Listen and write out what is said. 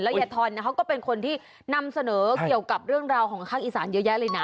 ยายทอนเขาก็เป็นคนที่นำเสนอเกี่ยวกับเรื่องราวของภาคอีสานเยอะแยะเลยนะ